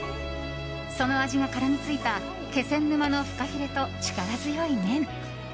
その味が絡みついた気仙沼のフカヒレと力強い麺。